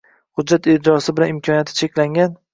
Hujjat ijrosi bilan imkoniyati cheklangan